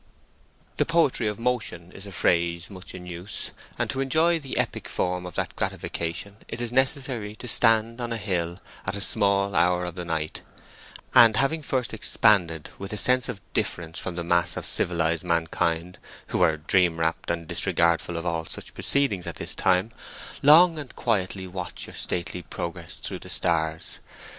The poetry of motion is a phrase much in use, and to enjoy the epic form of that gratification it is necessary to stand on a hill at a small hour of the night, and, having first expanded with a sense of difference from the mass of civilised mankind, who are dreamwrapt and disregardful of all such proceedings at this time, long and quietly watch your stately progress through the stars.